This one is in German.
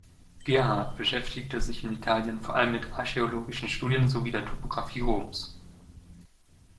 Gerhard beschäftigte sich in Italien vor allem mit archäologischen Studien sowie der Topographie Roms.